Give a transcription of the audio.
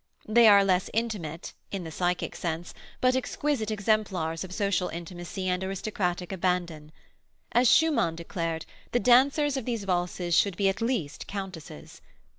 They are less intimate, in the psychic sense, but exquisite exemplars of social intimacy and aristocratic abandon. As Schumann declared, the dancers of these valses should be at least countesses.